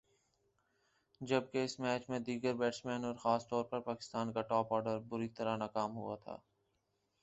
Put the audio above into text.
جبکہ اس میچ میں دیگر بیٹسمین اور خاص طور پر پاکستان کا ٹاپ آرڈر بری طرح ناکام ہوا تھا ۔